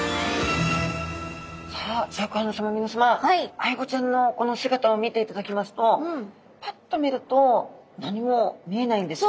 アイゴちゃんのこの姿を見ていただきますとパッと見ると何も見えないんですが。